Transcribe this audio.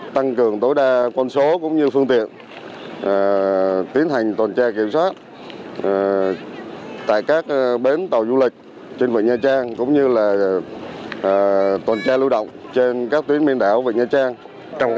tăng cường tối đa con số cũng như phương tiện tiến hành toàn tra kiểm soát tại các bến tàu du lịch trên vịnh nha trang cũng như là toàn tra lưu động trên các tuyến miền đảo vịnh nha trang